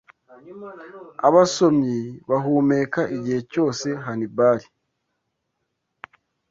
abasomyi bahumeka igihe cyose Hanibali